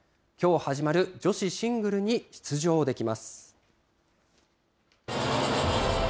きょう始まる、女子シングルに出場できます。